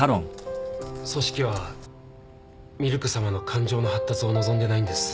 組織はみるくさまの感情の発達を望んでないんです。